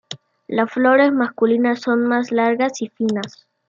Las flores masculinas son más largas y finas.